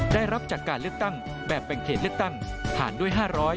ได้รับจากการเลือกตั้งแบบแบ่งเขตเลือกตั้งผ่านด้วย๕๐๐